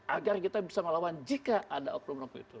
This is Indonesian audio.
agar kita bisa melawan jika ada oknum oknum itu